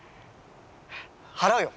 払うよ。